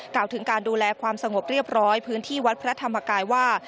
กล่าวถึงการดูแลความสงบเรียบร้อยพื้นที่วัดพระธรรมกายว่า